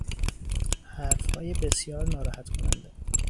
حرفهای بسیار ناراحت کننده